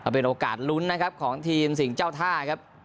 เป็นโอกาสลุ้นนะครับของทีมสิ่งเจ้าท่าครับ